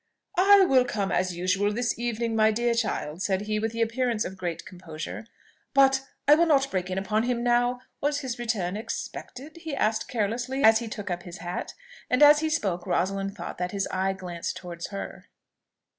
"I will come, as usual, this evening, my dear child," said he, with the appearance of great composure; "but I will not break in upon him now. Was his return expected?" he added carelessly, as he took up his hat; and as he spoke Rosalind thought that his eye glanced towards her.